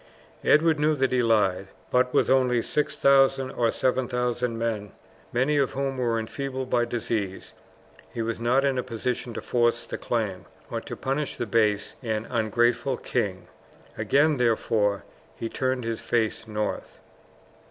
Edward knew that he lied, but with only 6000 or 7000 men, many of whom were enfeebled by disease, he was not in a position to force the claim, or to punish the base and ungrateful king. Again, therefore, he turned his face north.